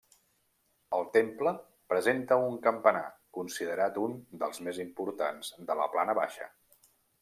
El temple presenta un campanar, considerat un dels més importants de la Plana Baixa.